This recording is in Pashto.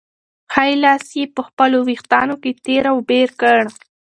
ښی لاس یې په خپلو وېښتانو کې تېر او بېر کړ.